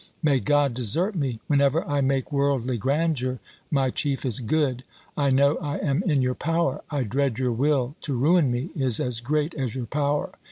May God desert me, whenever I make worldly grandeur my chiefest good! I know I am in your power; I dread your will to ruin me is as great as your power.